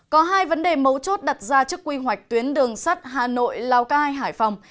có hai vấn đề mấu chốt đặt ra trước quy hoạch tuyến đường sắt hà nội lào cai hải phòng